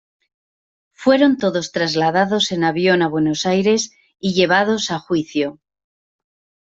Fueron todos trasladados en avión a Buenos Aires y llevados a juicio.